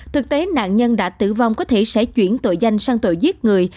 thực tế nạn nhân đã tử vong có thể sẽ chuyển tội danh sang tội giết người